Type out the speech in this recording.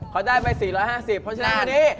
เขาได้ไป๔๕๐เพราะฉะนั้นอันนี้